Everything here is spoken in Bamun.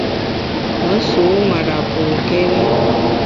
Me sû nwara pôkéri.